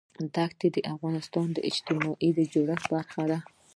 دښتې د افغانستان د اجتماعي جوړښت برخه ده.